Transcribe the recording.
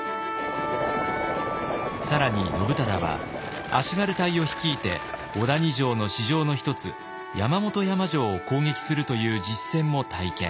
更に信忠は足軽隊を率いて小谷城の支城の一つ山本山城を攻撃するという実戦も体験。